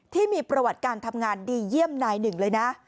ที่มีประวัติการทำงานดีเยี่ยมนายหนึ่งเลยนะ